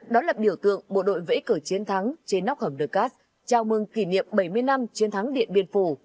đó là biểu tượng bộ đội vẽ cờ chiến thắng trên nóc hầm đờ cát chào mừng kỷ niệm bảy mươi năm chiến thắng điện biên phủ